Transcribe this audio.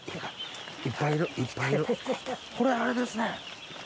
これあれですね？